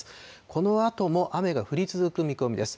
このあとも雨が降り続く見込みです。